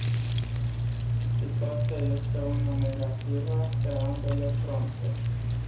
Situația este una negativă pe ambele fronturi.